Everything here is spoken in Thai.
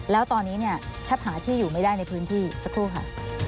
แล้วตอนนี้เนี่ยแทบหาที่อยู่ไม่ได้ในพื้นที่สักครู่ค่ะ